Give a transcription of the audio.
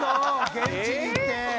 現地に行って。